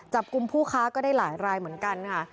จับกลุ่มผู้ค้าก็ได้หลายรายเหมือนกันค่ะ